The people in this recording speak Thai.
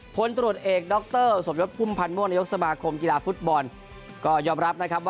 พลตลอดเอกด๊อคเตอร์ส่วนยภูมิพันธ์โมงนายกสมาคมกีฬาฟุตบอลก็ยอมรับนะครับ